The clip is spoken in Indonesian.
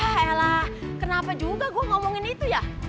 hah elah kenapa juga gue ngomongin itu ya